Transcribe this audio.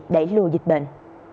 đẩy lùi dịch bệnh